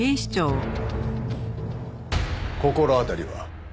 心当たりは？